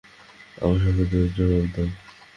আমার সংকেতের জবাব দাও।